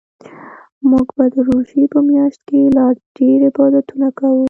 موږ به د روژې په میاشت کې لا ډیرعبادتونه کوو